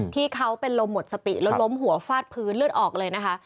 ที่เขาเป็นลมหมดสติแล้วล้มหัวฟาดพื้นเลือดออกเลยนะคะ